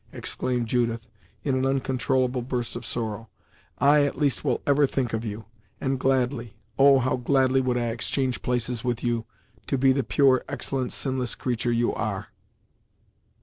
exclaimed Judith, in an uncontrollable burst of sorrow, "I, at least, will ever think of you; and gladly, oh! how gladly would I exchange places with you, to be the pure, excellent, sinless creature you are!"